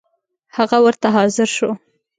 هغه ورته حاضر شو.